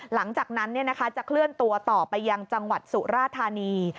หลังจากนั้นจะเคลื่อนตัวต่อไปยังจังหวัดสุราธานี